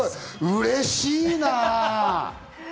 うれしいな。